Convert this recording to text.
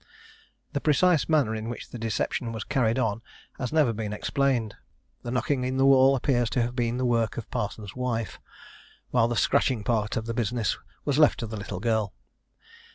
The precise manner in which the deception was carried on has never been explained. The knocking in the wall appears to have been the work of Parsons' wife, while the scratching part of the business was left to the little girl.